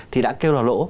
thì đã kêu là lỗ